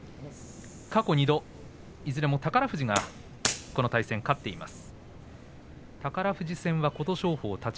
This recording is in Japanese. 過去２度、いずれも宝富士がこの対戦を勝っています。